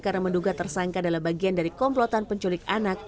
karena menduga tersangka dalam bagian dari komplotan penculik anak